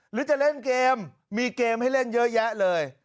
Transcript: หรือจะเล่นเกมมีเกมให้เล่นเยอะแยะเลย